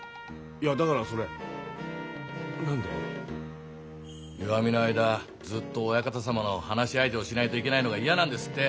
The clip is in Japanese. いやだからそれ何で？湯あみの間ずっとオヤカタ様の話し相手をしないといけないのが嫌なんですって。